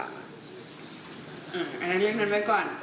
อันนั้นเลือกมันไว้ก่อน